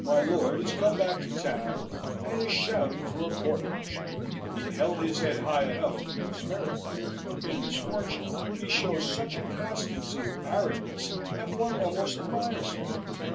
My lord is come back to town, and is shouting for a Court Martial. He held his head high enough in prosperity: in misfortune he shows such a constancy of arrogance that one almost admires him.